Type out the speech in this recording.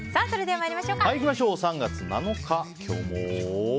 ３月７日、今日も。